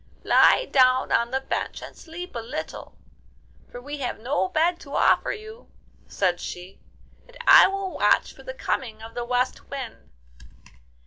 'Lie down on the bench and sleep a little, for we have no bed to offer you,' said she, 'and I will watch for the coming of the West Wind.